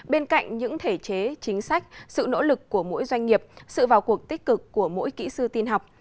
bên cạnh những thể chế chính sách sự nỗ lực của mỗi doanh nghiệp sự vào cuộc tích cực của mỗi kỹ sư tin học